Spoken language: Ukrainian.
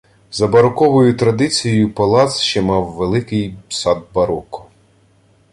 За бароковою традицію палац ще мав великий сад бароко.